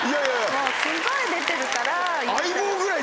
もうすごい出てるから。